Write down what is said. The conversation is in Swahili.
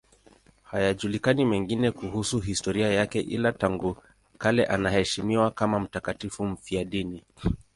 Hayajulikani mengine kuhusu historia yake, ila tangu kale anaheshimiwa kama mtakatifu mfiadini.